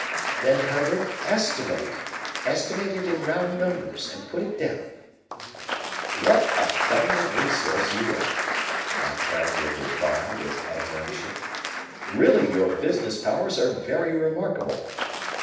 "Then, Herbert, estimate; estimate it in round numbers, and put it down." "What a fellow of resource you are!" my friend would reply, with admiration. "Really your business powers are very remarkable."